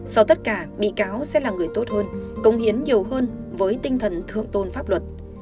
sau tất cả bị cáo sẽ là người tốt hơn công hiến nhiều hơn với tinh thần thượng tôn pháp luật